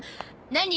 何？